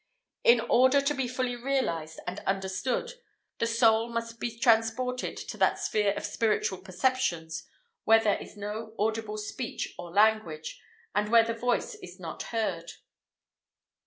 In order to be fully realized and understood, the soul must be transported to that sphere of spiritual perceptions, where there is no audible "speech nor language," and where the "voice is not heard."